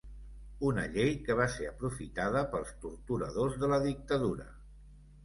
Una llei que va ser aprofitada pels torturadors de la dictadura.